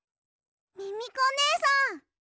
ミミコねえさん！